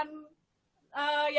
yang lainnya ya